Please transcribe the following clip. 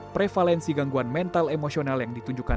prevalensi gangguan mental emosional yang ditunjukkan